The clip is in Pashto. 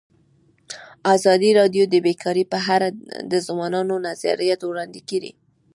ازادي راډیو د بیکاري په اړه د ځوانانو نظریات وړاندې کړي.